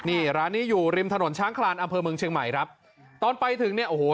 นี่ร้านนี้อยู่ริมถนนช้างคลานอำเภอเมืองเชียงใหม่ครับตอนไปถึงเนี่ยโอ้โห